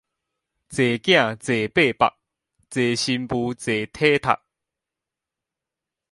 濟囝濟擘腹，濟新婦濟體剔